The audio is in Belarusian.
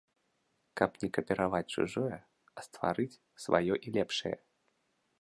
Каб не капіраваць чужое, а стварыць сваё і лепшае.